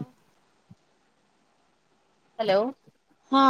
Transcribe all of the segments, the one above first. ହଁ। ହ୍ୟାଲୋ। ହଁ।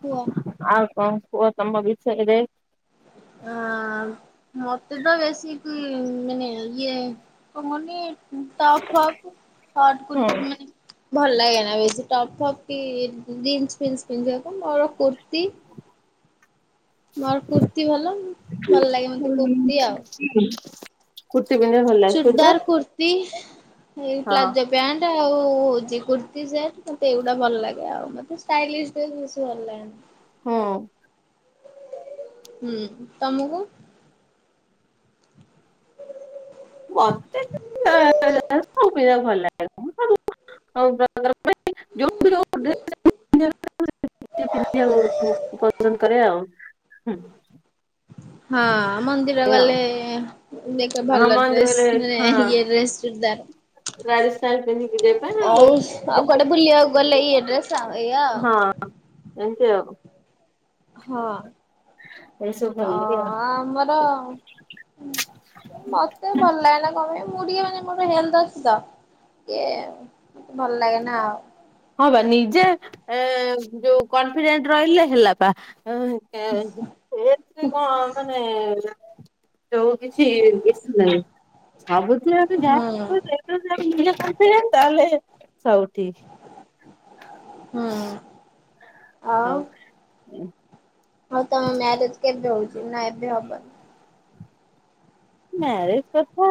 କୁହ। ଆଉ କଣ କୁହ ତମ ବିଷୟରେ? ହଁ। ମତେ ତ ବେଶୀ ମାନେ ଇଏ କଣ କୁହନି ଟପ୍ ଫପ ହଟ ହୁଁ କୁର୍ତି ମାନେ ଭଲ ଲାଗେନା ବେଶୀ ଟପ୍ ଫପ୍ କି ଜିନ୍ସ ଫିନ୍ସ ପିନ୍ଧିବାକୁ ମୋର କୁର୍ତ୍ତୀ। ମୋର କୁର୍ତ୍ତୀ ଭଲ। ଭଲ ଲାଗେ ମତେ କୁର୍ତ୍ତୀ ଆଉ। ହୂ। ଚୁଡ଼ିଦାର କୁର୍ତ୍ତି ଏଇ ହଁ। ପ୍ଲାଯୋ ପ୍ୟାଣ୍ଟ ଆଉ ହୋଉଛି କୁର୍ତ୍ତୀ ସେଟ୍ ମତେ ଏଇଗୁଡା ଭଲ ଲାଗେ ଆଉ, ମତେ ଷ୍ଟାଇଲିସ୍ ଡ୍ରେସ୍ ବେଶି ଭଲ ଲାଗେନି। ହୁଁ। ହୁଁ, ତମକୁ? ମତେ କମ୍ ପଇସା ଭଲ ଲାଗେ। [unintelligible] [inaudible] ପସନ୍ଦ କରେ ଆଉ। ହୁଁ ହଁ, ମନ୍ଦିର ଏଇଆ ଆଉ। ଗଲେ ଦେଖ ହଁ ଭଲ ଡ୍ରେସ୍ ମନ୍ଦିରରେ ମାନେ ହଁ ଇଏ ଡ୍ରେସ୍ ଚୁଡ଼ିଦାର। ରାଜସ୍ଥାନ ପିନ୍ଧିକି ଯିବା ଆଉ ଆଉ କୁଆଡେ ବୁଲିବାକୁ ଗଲେ ଇଏ ଡ୍ରେସ୍ ଆଉ ଏଇଆ ଆଉ। ଏମତି ଆଉ। ହଁ ଏ ସବୁ ଭଲ ଅ ଲାଗେ ଆଉ। ଆମର ମତେ ଭଲ ଲାଗେନା କଣ ପାଇଁ, ମୁଁ ଟିକେ ମାନେ ମୋର ହେଲ୍ଥ ଅଛି ତ ଟିକେ ଭଲ ଲାଗେନା ଆଉ। ହଁବା ନିଜେ ଏ ଯୋଉ କନଫିଡେଣ୍ଟ ରହିଲେ ହେଲା ବା। ଏଥିରେ କଣ ମାନେ ଯୋଉ କିଛି ଇଶ ନାହିଁ। ସବୁଥିରେ ତ ହୁଁ ଯାହାକହିଲେ [inaudible] [unintelligible] ନିଜେ କନଫିଡେନ୍ସ, ତାହେଲେ ସବୁ ଠିକ୍। ହୁଁ। ଆଉ। ଆଉ ତମ ମ୍ୟାରେଜ୍ କେବେ ହଉଛି, ନା ଏବେ ହବନି? ମ୍ୟାରେଜ କଥା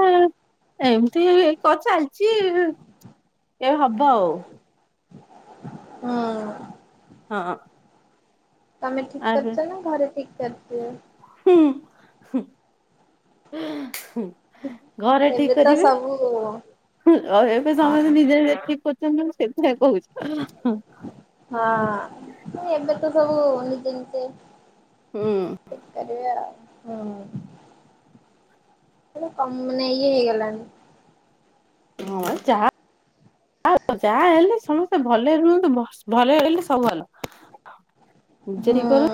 ଏମତି କ ଚାଲିଛି। ଏ ହବ ଆଉ। ହୁଁ। ହଁ। ତମେ ଠିକ ଆଗେ କରିଛ ନା, ଘରେ ଠିକ୍ କରିଥିବେ? ହୁଁ ହୁ [unintelligible] ଘରେ ଏବେ ଠିକ୍ ତ କରିବେ। ସବୁ ହ୍ୟାଲୋ। ଏବେ ସମସ୍ତେ ଓହୋ। ନିଜେ ନିଜେ ଠିକ୍ କରୁଛନ୍ତି ମୁଁ ସେଥିପାଇଁ କହୁଛି। ହଁ ଏବେ ତ ସବୁ ନିଜେ ନିିଯେ ହୁଁ ବେକାରିଆ ଆଉ। ହଁ ମାନେ କମ୍ ମାନେ ଇଏ ହେଇଗଲାଣି। ହଁ ଯାହା ଆଉ ଯା ହେଲେ ସମେସ୍ତେ ଭଲେ ରୁଅନ୍ତୁ, ମ ସ୍ ଭଲେରେ ରହିଲେ ସବୁ ଭଲ। ନିଜେ ହୁଁ। ଠିକ୍ କର।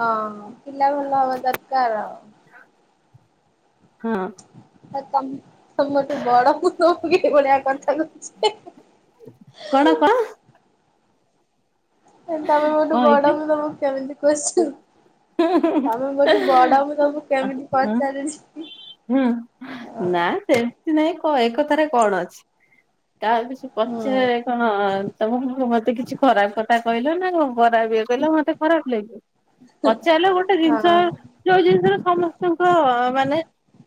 ହଁ, ପିଲା ଭଲ ହବା ଦରକାର ଆଉ। ହଁ। ଆଉ ତମ୍ ତମଠୁ ବଡ ପୁଅ କୋଉ କି ଭଳିଆ କଥା କହୁଚି ହେ କଣ କ? ଏ ତମେ ମୋ ଠୁ କଣ ବଡ, ହେଇଛି ମୁଁ ତମକୁ କେମିତି କୋଶ୍ଚିନ୍ ତମେ ମୋ ଠୁ ବଡ, ମୁଁ ତମୁକୁ କେମିତି ହଁ ପଚାରୁଛି ଇ ହୁଁ, ନା ସେମତି ନାଇଁ କ, ଏକଥାରେ କଣ ଅଛି। କାଆକୁ କିଛି ହଁ ପଚା କଣ ତମକୁ ମୁଁ ମତେ କିଛି ଖରାପ୍ କଥା କହିଲ ନା, କଁ ଖରାପ୍ ବେ ଦେଲେ ମତେ ଖରାପ ଲାଗେ, ପଚାରିଲେ ଗୋଟେ ହଁ ଜିନିଷ ଯୋଉ ଜିନିଷରେ ସମସ୍ତଙ୍କ ମାନେ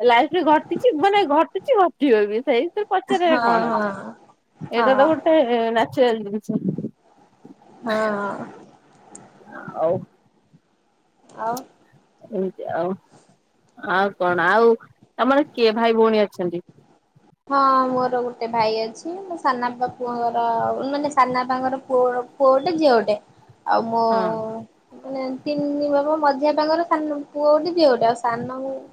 ଲାଇଫରେ ଘଟିଚି, ମାନେ ଘଟିଚି, ଘଟିବ ବି ସେଇ ଏତେରେ ପଚାରିବା କଣ ଅଚି, ହଁ ଏଇଟା ତ ହଁ ଗୋଟେ ନାଚୁରାଲ୍ ଜିନିଷ। ହଁ ଅ ଆଉ ଆଉ ଏମତି ଆଉ, ଆଉ କଣ, ଆଉ ତମର କିଏ ଭାଇ ଭଉଣୀ ଅଛନ୍ତି? ହଁ, ମୋର ଗୋଟେ ଭାଇ ଅଛି, ମୋ ସାନାପା ପୁଅଙ୍କର ମାନେ ସାନାପାଙ୍କର ପୁଅ ପୁଅ ଗୋଟେ, ଝିଅ ଗୋଟେ, ଆଉ ମୋ ହଁ ମାନେ ତିନି ବାପା, ମଝିଆ ବାପାଙ୍କର ସାନ ପୁଅ ଗୋଟେ, ଝିଅ ଗୋଟେ ଆଉ ସାନ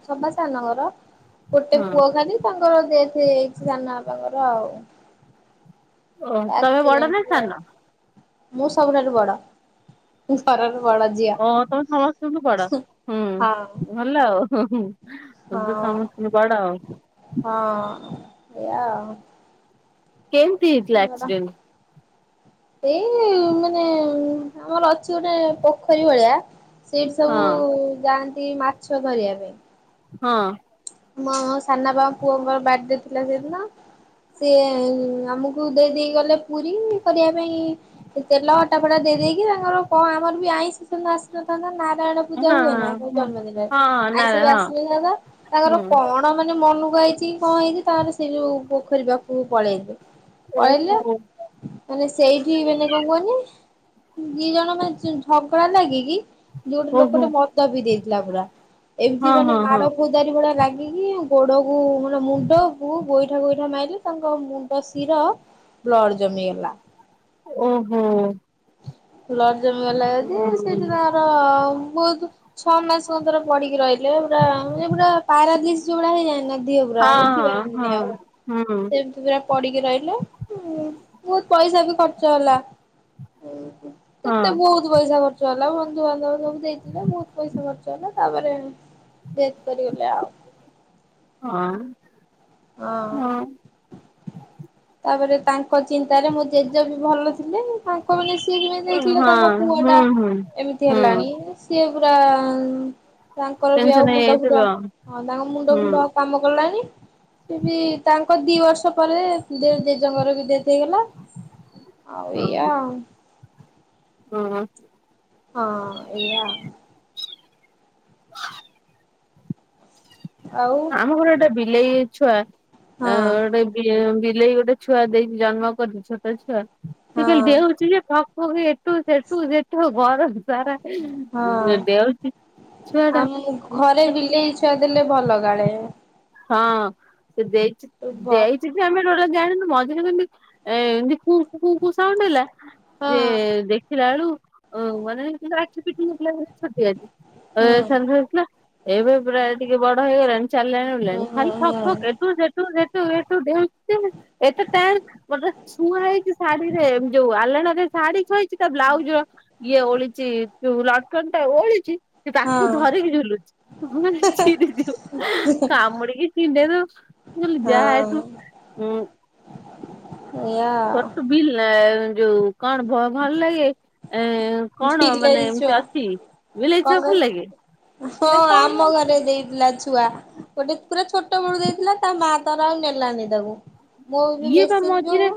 ସଭା ସାନଙ୍କର [unintelligible] ଗୋଟେ ହଁ ପୁଅ ଖାଲି, ତାଙ୍କର ଦେଥ୍ ହେଇ ଯାଇଚି ସାନ ବାପାଙ୍କର ଆଉ। ଓ ତମେ ବଡ ନା ଆକ୍ସିରେଣ୍ଟରେ, ସାନ? ମୁଁ ସବୁଠାରୁ ବଡ। ତୁ ସରଗ ବଳଜିଆ, ଓ ତମେ ସମସ୍ତଙ୍କଠୁ ବଡ ହୁଁ, ହଁ। ଭଲ ଆଉ, ହୁଁ ହୁଁ, [unintelligible] ହଁ ସମସ୍ତୁଙ୍କୁ ବଡ ଆଉ। ହଁ, ଏଇଆ ଆଉ। କେମ୍ ତି ହେଇଥିଲା ମୋର ଆକ୍ସିଡେଣ୍ଟ? ଏଇ ମାନେ, ଉଁ, ଆମର ଅଛି ଗୋଟେ ପୋଖରୀ ଭଳିଆ ସେଇଠି ହଁ ସବୁ ଯାଆନ୍ତି ମାଛ ଧରିଆ ପାଇଁ ହଁ। ମ ସାନାପାଙ୍କ ପୁଅଙ୍କର ବାଡେ ଥିଲା ସେଇଦିନ ସେ ଏ ଆମୁକୁ ଦେଇ ଦେଇ ଗଲେ ପୁରି କରିଆ ପାଇଁ ସେ ତେଲ, ଅଟା ଫଟା, ଦେଇ ଦେଇକି ତାଙ୍କର କଁ ଆମର ବି ଆଇଁଷ ସେଦିନ ଆସିନଥାନ୍ତା, ନାରାୟଣ ହଁ ପୂଜା ହୁଏ ନା, ସବୁ ହଁ ଜନ୍ମଦିନରେ, ହଁ ନା ଆଇଁଷ ହଁ ବି ଆସିନଥାନ୍ତା ତାଙ୍କର ହୁଁ। କଣ ମାନେ ମନୁକୁ ଆଇଚି କି, କଁ ହେଇଚି, ତାର ସେଇ ଯୋଉ ପୋଖରୀ ପାଖୁକୁ ପଳେଇଲେ ପଳେଇଲେ, ଓହୋ ମାନେ ସେଇଠି ମାନେ କଁ କୁହନି ଦି ଜଣ ମଝିର୍ ଝଗଡା ଲାଗିକି ଇଏ ଗୋଟେ ଓହୋ ଲୋକଟେ ମଦ ପିଇଦେଇଥିଲା ପୁରା, ଏମିତି ହଁ ମାନେ ହଁ ହଁ ମାଡ ଫୌ ଦାରି ଭଳିଆ ଲାଗିକି, ଗୋଡକୁ, ମାନେ ମୁଣ୍ଡକୁ ଗୋଇଠା ଗୋଇଠା ମାଇଲେ, ତାଙ୍କ ମୁଣ୍ଡ ଶିର ବ୍ଲଡ ଜମିଗଲା। ଓହୋ। ବ୍ଲଡ ଜମିଗଲା ଯଦି, ହୁଁ ସେଇଦିନ ଆର ଭୋଉତୁ ଛଅ ମାସଙ୍କତର ପଡିକି ରଇଲେ, ପୁରା ମାନେ ପୁରା ପାରାଲିସ୍ ଯୋଉ ଭଳିଆ ହେଇଯାଏ ନା ଦିଏ ପୁରା, ଉଠି ହଁ ହଁ ପାରନ୍ତିନି ଆଉ, ହଁ ହୁଁ ସେ ପୁରା ପଡିକି ରହିଲେ ଉଁ ବହୁତ ପଇସା ବି ଖର୍ଚ୍ଚ ହେଲା। ଓହୋ। ହଁ। କେତେ ବହୁତ୍ ପଇସା ଖର୍ଚ୍ଚ ହେଲା ବନ୍ଧୁବାନ୍ଧବ ସବୁ ଦେଇଥିଲେ ବହୁତ୍ ପଇସା ଖର୍ଚ୍ଚ ହେଲା ତାପରେ ଡେଥ୍ କରିଗଲେ ଆଉ। ଅଁ ହଁ ତାପରେ ତାଙ୍କ ଚିନ୍ତାରେ ମୋ ଜେଜେବି ଭଲ ନାଇଁ ତାଙ୍କମାନେ ସିଏ ଯେମିତି ଦେଖିଲେ ତାଙ୍କ ହଁ ପୁଅ ଟା ହୁଁ ହୁଁ। ଏମିତି ହୁଁ ହେଲାଣି ସ ସିଏ ପୁରା ତାଙ୍କର ବି ଟେନସନ ଆଉ ମୁଣ୍ଡ ହେଇଯାଇଥିବ ଫୁଣ୍ଡ ହଁ ତାଙ୍କ ମୁଣ୍ଡ ହୁଁ ଫୁଣ୍ଡ ଆଉ କାମ କଲାନି ସିଏ ବି ତାଙ୍କ ଦି ବର୍ଷ ପରେ ଦେ ଜେଜେଙ୍କର ବି ଡେଥ୍ ହେଇଗଲା। ଆଉ ଏୟା ଓହୋ। ଆଉ। ହଁ। ହଁ ଏଇଆ ଆଉ? ଆମ ଘରେ ଗୋଟେ ବିଲେଇ ଛୁଆ ଅ ହଁ ଗୋଟେ ଏ ବିଲେଇ ଗୋଟେ ଛୁଆ ଦେଇଛି ଜନ୍ମ କରିଛିି ଛୋଟ ଛୁଆ ସେ ଖାଲି ହଁ। ଡେଉଁଛି ଯେ ଖାପୁ କି ଏଠୁ ସେଠୁ ସେଠୁ ଘର ହୁଁ। ସାରା ହଁ ଉଁ ଡେଉଁଛି ଛୁଆ ଟା। ଆମ ଘରେ ବିଲେଇ ଛୁଆ ଦେଲେ ଭଲ କାଳେ। ହଁ ସେ ଦେଇଛିତ୍ ଶୁଭ। ଦେଇଛିତ୍ ଆମେ ଟୋଟାଲି ଜାଣିନୁ ମଝିରେ କେମିତି ଏ ଏମିତି କୁଁ କୁଁ କୁଁ ସାଉଣ୍ଡ ହେଲା ହୁଁ ସେ ଦେଖିଲା ଆଳୁ ଅ ମାନେ କିନ୍ତୁ ଆଖି ଫିଟି ନ ଥିଲା ଛଟିଆଟି। ହୁଁ ଏ ତାଙ୍କ ଘରେ ଥିଲା ଏବେ ପୁରା ଟିକେ ବଡ ହେଇଗଲାଣି ଚାଲିଲାଣି ବୁଲିଲାଣି ହୁଁ ଖାଲି ଫକ୍ ହୁଁ ଫକ୍ଏଠୁ ସେଠୁ ସେଠୁ ଏଠୁ ଡେଉଁଛି ଯେ ଏତେ ଟାଣ ଗୋଟେ ଛୁଆ ହେଇଚି ଶାଢୀରେ ଯୋଉ ଆଲେଣାରେ ଶାଢୀ ଥୁଆହେଇ ଚି ତା ବ୍ଲାଉଜ ଇଏ ଓହଳିଛି ଯଉ ଲଣ୍ଠନ ଟା ଓହଳିଚି ସେ ତାକୁ ହଁ ଧରିକି ଝୁଲୁଛି ମୁଁ କହିଲି ଛିରି ଯିବ କାମୁଡି ଛିଣ୍ଡେଇ ଦବ ମୁଁ କହିଲି ଯା ଏଠୁ ଉଁ ଏୟା ଆଉ। ବିଲା ଯୋଉ କଣ ଭ ଭଲ ଲାଗେ? ଏ କଣ ମାନେ ବିଲେଇ ଛୁଆ ଏମିତି ଅଛି ବିଲେଇ କଣ ଛୁଆ ଭଲ କହିଲୁ ଲାଗେ? ହଁ ମାନେ କଣ ଏମିତି ଆମ ଘରେ ଦେଇଥିଲା ଛୁଆ। ଗୋଟେ ପୁରା ଛୋଟ ବେଳୁ ଦେଇଥିଲା ତା ମା ତାର ଆଉ ନେଲାନି ତାକୁ। ମୋଉ ଯୋଉ ଇଏ ବା ମେସିନ୍ ଯୋଉ ମଝିରେ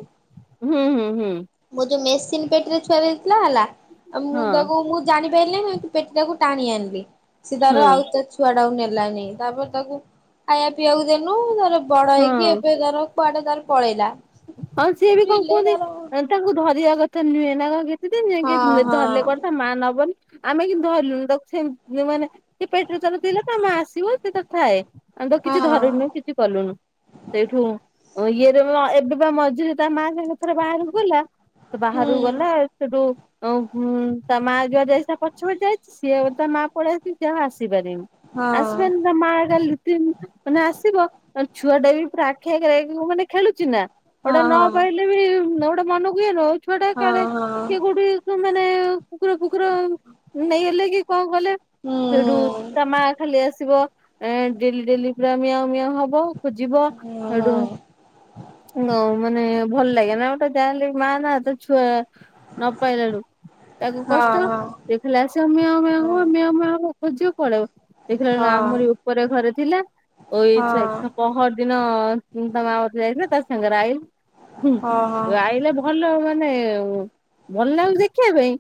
ହୁଁ ହୁଁ ହୁଁ ମୋ ଯୋଉ ମେସିନ୍ ପେଟିରେ ଛୁଆ ହେଇଥିଲା ହେଲା ଆଉ ମୁଁ ହଁ ତାକୁ ମୁଁ ଜାଣି ପାରିନେଇଁ ଉଁ ପେଟି ଟାକୁ ଟାଣି ଆଣିଲି ସିଏ ତାର ହଁ ଆଉ ତାର ଛୁ ଛୁଆ ଟାକୁ ନେଲାନି ତାପରେ ତାକୁ ଖାଇବା ପିଇବାକୁ ଦେନୁ ତାର ବଡ ହେଇକି ହଁ ଏବେ ତାର କୁଆଡେ ତାର ପଳେଇଲା। ହଁ ସିଏ ବି କଣ ରିଲେ କୁହନ୍ତି ତାର ତାଙ୍କୁ ଧରିବା କଥା ନୁହେଁ ତାଙ୍କ ଗେ ଦିଦିନ୍ ହଁ ଯାକେ ହଁ ଧରିଲେ କୁଆଡେ ତା ମା ନବନି। ଆମେ କିନ୍ତୁ ଧଇଲୁନି ତାକୁ ସେମ୍ ଏ ମାନେ ସେ ପେଟିରେ ତାର ଥିଲା ତା ମା ଆସିବ ସିଏ ତାର ଥାଏ ଆମେ ତାକୁ ହଁ କିଛି ଧରୁନୁ କିଛି କଲୁନୁ ସେଇଠୁ ଇଏରେ ଅ ଏବେ ମଝିରେ ତା ମା ସେମିତି ଉପରେ ବାହାରକୁ ଗଲା ତ ହୁଁ ବାହାରକୁ ଗଲା ସେଠୁ ଉଁ ତା ମା ଯୁଆଡେ ଯାଇଚି ତାପଛେ ପଛେ ଯାଇଚି ସିଏ ତା ମା ପଳେଇଛି ସିଏ ଆଉ ଆସିପାରିନି ହଁ। ଆସିପାରିନି ତା ମା କାଲି ଲୁଟିନ୍ ମାନେ ଆସିବ ଛୁଆ ଟା ବି ପୁରା ଆଖି ଆଗରେ ମାନେ ଖେଳୁଛି ନା ହଁ ଗୋଟା ନ ହଁ ପାଇଲେ ଏତେବି ଗୋଟେ ମନକୁ ଇଏ ନୁହଁ ଛୁଆଟା ହଁ କାଲେ ହଁ କିଏ କୋଉଠି ତ ମାନେ କୁକୁର ଫୁକୁର ନେଇଗଲେ କି କଣ କଲେ ହୁଁ ସେଠୁ ତା ମା ଖାଲି ଆସିବ ଏ ଡେଲି ଡେଲି ପୁରା ମିଆଉଁ ମିିଆଉଁ ହବ ଖୋଜିବ ହୁଁ ହୁଁ। ହେଟୁ ନ ମାନେ ଭଲ ଲାଗେ ନା ଗୋଟେ ଯାହା ହେଲେ ମା ନା ତା ଛୁଆ ନପାଇଲାଳୁ ତାକୁ ହଁ କଷ୍ଟ ହଁ ଦେଖିଲା ଆସିବା ମିଆଉଁ-ମିଆଉଁ ହଁ ହୁଏ ମିଆଉଁ-ମିଆଉଁ ଖୋଯିବ ପଳେଇବ ହଁ ଦେଖିଲା ଆମର ଏ ଉପରେ ଘରେ ଥିଲା ହଁ ଓଛେଖା ପହଦିନ ତା ମା ବୋଧେ ଯାଇଥିଲା ତା ସାଙ୍ଗରେ ଆଇଲା ହଁ ହୁଁ-ଆଇଲା ଭଲ ମାନେ ଭଲ ଲାଗୁଛି ଦେଖିବା ପାଇଁ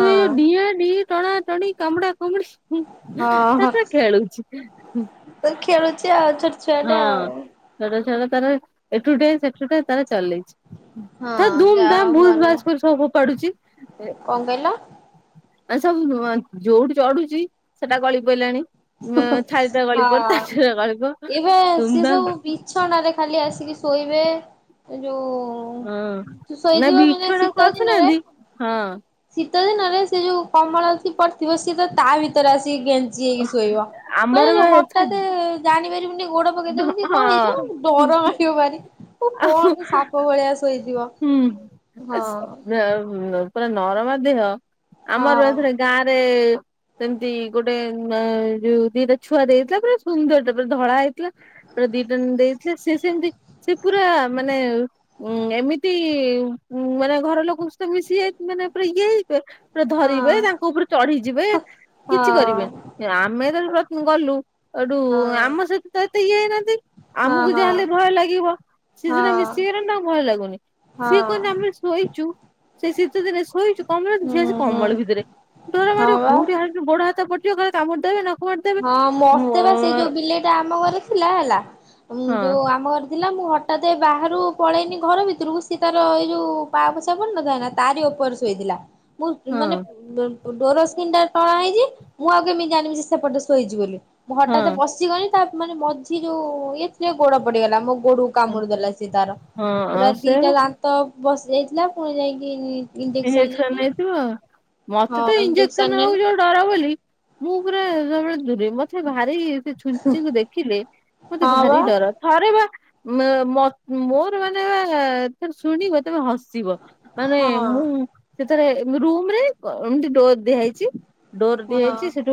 ଯଉ ଡିଆ ଡି ଟଣା ଟଣି କାମୁଡା କୁମୁଡି ହଁ ହ ତ ଖେଳୁଛି ଆଉ ଛୋଟ ଛୁଆଟେ ହଁ ଆଉ। ଛୋଟ ଛଟ ତାର ଏଠୁ ଟିକେ ସେଠୁ ଟିକେ ତାର ଚଲେଇଛି। ହଁ ତ ଧୁମ ଯାହା ହଉ ଦାମ ଭୁସ୍ ଭଲ ଭାସ କରି ସବୁ ଫୋପାଡୁଛି। କଣ କହିଲ? ଏ ସବୁ ଯୋଉଠି ଚଢୁଛି ସେଟା ଗଳି ପଡିଲାଣି। ଉଁ ଥାଳି ଟା ଗଳିପଡ଼ ତାଟିଆ ଟା ଗଳିପଡ଼। ଏଇବା ସେ ସବୁ ବିଛଣାରେ ଖାଲି ଆସିକି ଶୋଇବେ ଯୋଉଁ ହଁ। ତୁ ନା ଶୋଇଯିବ ମାନେ ବିଛଣାକୁ ଶୀତ ଦିନରେ ଆସୁନାହାନ୍ତି ହଁ ଶୀତ ଦିନରେ ସେ ଯୋଉଁ କମଳ ପଡିଥିବ ସିଏ ତ ତା ଭିତରେ ଆସିକି ଗେଞ୍ଜି ହେଇକି ଶୋଇବ ଆମର ମାନେ ବା ଏଥିରେ ହଠାତ୍ ଜାଣିପାରିବୁନି ଗୋଡ ପକେଇ ଦେବୁ କି କଣ ଏଁ ଯୋଉଁ ଡର ହଁ। ମାଡ଼ିବ ଭାରି କୁହନି ସାପ ଭଳିଆ ଶୋଇଥିବ ହୁଁ ହଁ। ଆସ- ପୁରା ନରମ ଦେହ ଆମର ହଁ ଏଥିରେ ଗାଁ ରେ ସେମିତି ଗୋଟେ ଯୋଉଁ ଦିଟା ଛୁଆ ଦେଇଥିଲା ପୁରା ସୁନ୍ଦର ଟେ ପୁରା ଧଳା ହେଇଥିଲା। ପା ଦିଟଣ ଦେଇଥିଲେ ସେ ସେମିତି ସେ ପୁରା ମାନେ ଉଁ ଏମିତି ଉ ମାନେ ଘର ଲୋକ ସମସ୍ତେ ମିଶି ଯାଇ ମାନେ ପୁରା ଇଏ ହେଇ ପୁରା ହଁ ଧରିବେ ତାଙ୍କ ଉପରେ ଚଢିଯିବେ ହଁ। କିଛି କରିବେନି। ଆମେ ଯେତେବେଳ ଗଲୁ ହେଟୁ ହଁ। ଆମ ସହିତ ତ ଏତେ ଇଏ ହେଇନାହାନ୍ତି। ହଁ ଆମକୁ ହଁ ଯାହା ହେଲେ ଭୟ ଲାଗିବ ସେ ହଁ ସିନା ମିଶି ଗଲେଣି ତାଙ୍କୁ ଭୟ ଲାଗୁନି। ସିଏ ହଁ କହନ୍ତି ଆମେ ଶୋଇଚୁ ସେଇ ଶୀତ ଦିନରେ ଶୋଇଛୁ କମଳ ଝିଅ ହୁଁ ଆସି ହୁଁ କମଲ ଭିତରେ ଡର ହଁ ମାଡିବ ବା କୋଉଠି ଗୋଡ଼ ହାତ କଟିବ କହିବେ କାମୁଡି ଦେବେନା ହଁ ମୋତେ ବା ସେ ଯୋଉଁ ବିଲେଇ ଟା ଆମ ଘରେ ଥିଲା ହେଲା ଯୋଉଁ ହଁ ଆମ ଘରେ ଥିଲା ମୁଁ ହଠାତ୍ ବାହାରୁ ପଳେଇନି ଘର ଭିତରକୁ ସିଏ ତାର ଏଇ ଯେଉଁ ପା ପୋଛା ପଡ଼ିନଥାଏ ନା ତାରି ଉପରେ ଶୋଇଥିଲା। ମୁଁ ମାନେ ଡୋରସ୍କିନ୍ ଟଣା ହେଇଛି ମୁଁ ଆଉ କେମିତି ଜାଣିବି ସେପଟେ ଶୋଇଛି ବୋଲି ମୁଁ ହଁ ହଠାତ ପଶିଗଲି ତା ମାନେ ମଝି ଯୋଉଁ ଇଏ ସିଏ ଗୋଡ ପଡିଗଲା ମୋ ଗୋଡ ହଁ କାମୁଡିଦେଲା ସେ ତାର ହଁ ପୁରା ଆଉ ସେ ଦିଟା ଦାନ୍ତ ବସି ଯାଇଥିଲା ପୁଣି ଯାଇକି ଇଞ୍ଜେକ୍ସନ ନେଇଥିବ ହଁ ମତେ ତ ଇଞ୍ଜେକ୍ସନ ନବାକୁ ନେନି ଯୋଉଁ ଡର ବୋଲି ମୁଁ ପୁରା ସବୁବେଳେ ଦୂରେ ମତେ ଭାରି ସେ ଛୁଞ୍ଚିଙ୍କୁ ଦେଖିଲେ ମତେ ହଁ ଭାରି ବା ଡର। ଥରେ ବା ମୋର ମାନେ ବା ଥର ଶୁଣିବ ତମେ ହସିବ। ମାନେ ହଁ ସେଥରେ ରୁମ ରେ ଏମିତି ଡୋର ଦିଆଯାଇଛି ଡୋର ହଁ ଦିଆଯାଇଛି ସେଠୁ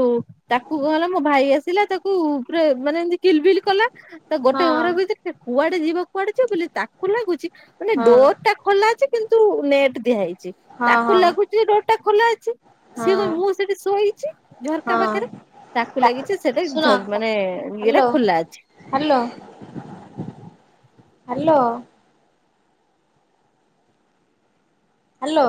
ତାକୁ କଣହଲା ମୋ ଭାଇ ଆସିଲା ତାକୁ ପା ମାନେ ଏମତି କିଲ ବିଲ କଲା ତା ହଁ ଗୋଟେ ହଁ ଘର ଭିତରେ ସେ କୁଆଡେ ଯିବ କୁଆଡେ ଯିବ ବୋଲି ତାକୁ ଲାଗୁଛି ମାନେ ହଁ ଡୋର ଟା ଖୋଲା ଅଛି କିନ୍ତୁ ନେଟ ଦିଆ ହେଇଛି ତାକୁ ହଁ ଲାଗୁଛି ଡୋରଟା ଖୋଲା ଅଛି। ସିଏ ହଁ କ ମୁଁ ସେଠି ଶୋଇଚି ଝରକା ହଁ ପାଖେରେ ତାକୁ ଲାଗିଚି ଶୁଣ ସେଟାଝ ମାନେ ଇଏଟା ହ୍ୟାଲୋ ଖୋଲା ଅଛି। Hello hello hello